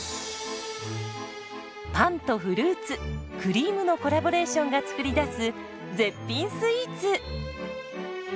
パンとフルーツクリームのコラボレーションが作り出す絶品スイーツ。